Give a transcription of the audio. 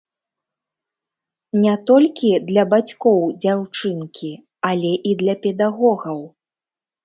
Не толькі для бацькоў дзяўчынкі, але і для педагогаў.